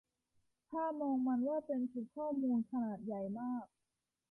ถ้ามองมันว่าเป็นชุดข้อมูล ขนาดใหญ่มาก